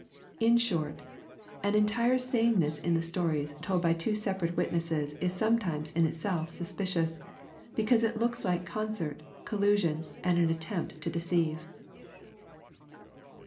In short, an entire sameness in the stories told by two separate witnesses is sometimes in itself suspicious, because it looks like concert^ collu sion, and an attempt to deceive.